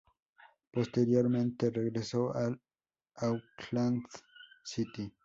Posteriormente, regresó al Auckland City.